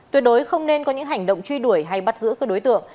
tuyệt đối không nên có những hành động truy đuổi hay bắt giữ các đối tượng